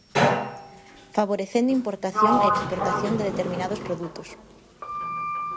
Favorecendo importación e exportación de determinados produtos.